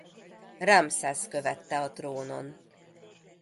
Ramszesz követte a trónon.